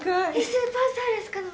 スーパーサウルスかな？